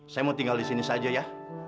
saya mau tinggal di sini saja ya